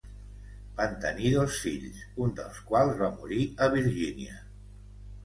Van tenir dos fills, un dels quals va morir a Virgínia.